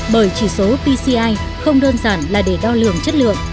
bởi chỉ số pci không đơn giản là để đo lường chất lượng